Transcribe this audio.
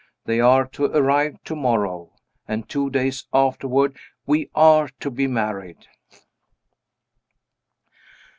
They are to arrive tomorrow, and two days afterward we are to be married.